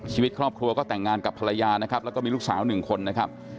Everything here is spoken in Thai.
ชีวิตครอบครัวก็แต่งงานกับภรรยานะครับแล้วก็มีลูกสาวหนึ่งคนนะครับ